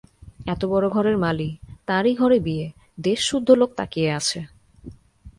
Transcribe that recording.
এতবড়ো ঘরের মালী, তারই ঘরে বিয়ে, দেশসুদ্ধ লোক তাকিয়ে আছে।